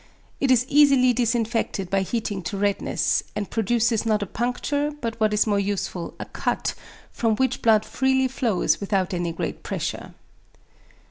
It is easily disinfected by heating to redness, and produces not a puncture but what is more useful, a cut, from which blood freely flows without any great pressure.